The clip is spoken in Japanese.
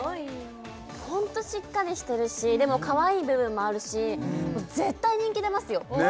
ホントしっかりしてるしでもかわいい部分もあるし絶対人気出ますよ！